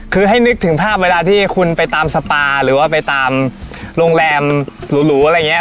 คือให้นึกถึงภาพเวลาที่คุณไปตามสปาหรือว่าไปตามโรงแรมหรูอะไรอย่างนี้